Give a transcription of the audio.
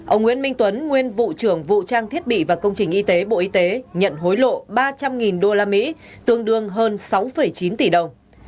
ông nguyễn minh tuấn nguyên vụ trưởng vụ trang thiết bị và công trình y tế bộ y tế nhận hối lộ ba trăm linh usd tương đương hơn sáu chín tỷ đồng